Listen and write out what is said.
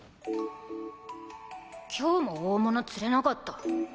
今日も大物釣れなかった。